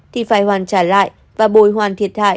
thì phải hoàn trả lại và bồi hoàn thiệt hại